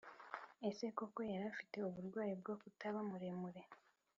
Ese koko yarafite uburwayi bwo kutaba muremure